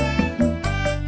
bis masih belum pergi